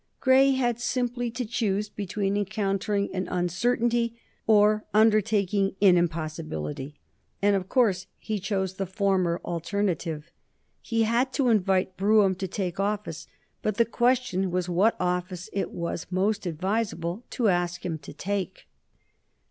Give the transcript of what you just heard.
Grey had simply to choose between encountering an uncertainty or undertaking an impossibility, and of course he chose the former alternative. He had to invite Brougham to take office, but the question was what office it was most advisable to ask him to take.